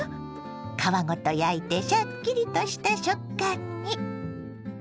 皮ごと焼いてシャッキリとした食感に。